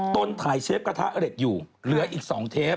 นถ่ายเชฟกระทะเร็ดอยู่เหลืออีก๒เทป